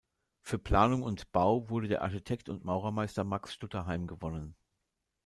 Für Planung und Bau wurde der Architekt und Maurermeister Max Stutterheim gewonnen.